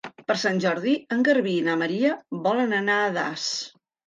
Per Sant Jordi en Garbí i na Maria volen anar a Das.